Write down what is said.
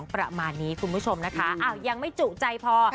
ประมาณนี้คุณผู้ชมนะคะอ้าวยังไม่จุใจพอ